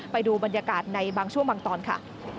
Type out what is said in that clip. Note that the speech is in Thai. ไปดูบรรยากาศในบางช่วงบางตอนค่ะ